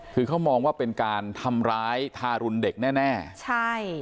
คือเขามองว่าเป็นการทำร้ายทารุณเด็กแน่แน่ใช่